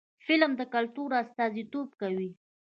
فلم د کلتور استازیتوب کوي